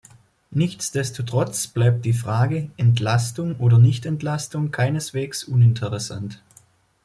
Nichtsdestotrotz bleibt die Frage, Entlastung oder Nichtentlastung, keineswegs uninteressant.